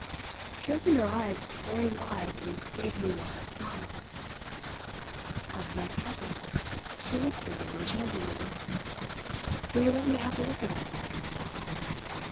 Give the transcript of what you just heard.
She opened her eyes very wide and gave him a wild smile. "How can I tell?" she whispered enchantingly. "Will you let me have a look at it?"